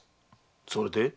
それで？